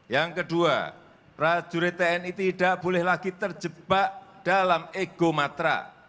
yang kedua prajurit tni tidak boleh lagi terjebak dalam ego matra